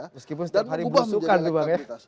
meskipun setiap hari berusukan tuh bang ya